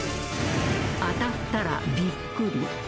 ［当たったらびっくり］